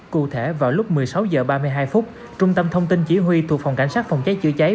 cụ thể vào lúc một mươi sáu h ba mươi hai phút trung tâm thông tin chỉ huy thuộc phòng cảnh sát phòng cháy chữa cháy